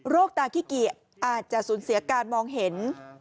ตาขี้เกียอาจจะสูญเสียการมองเห็น